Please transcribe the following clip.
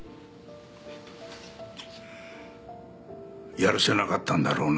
やるせなかったんだろうな。